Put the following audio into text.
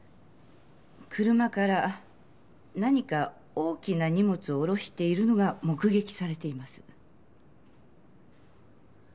車から何か大きな荷物を降ろしているのが目撃されています。